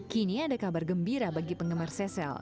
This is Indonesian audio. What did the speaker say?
kini ada kabar gembira bagi penggemar cesel